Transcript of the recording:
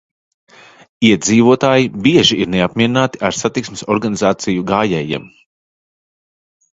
Iedzīvotāji bieži ir neapmierināti ar satiksmes organizāciju gājējiem.